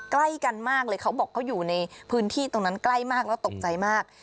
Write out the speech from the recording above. ใกล้กันมากเลยเขาบอกเขาอยู่ในพื้นที่ตรงนั้นใกล้มากแล้วตกใจมาก